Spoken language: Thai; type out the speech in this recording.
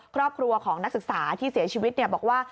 ครอบครัวของนักศึกษาที่เสียชีวิตบอกว่า